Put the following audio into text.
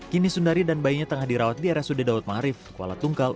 kini sundari dan bayinya tengah dirawat di area sudedawut mahrif kuala tungkal